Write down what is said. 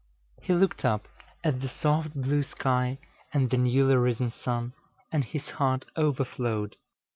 He looked up at the soft blue sky and the newly risen sun, and his heart overflowed.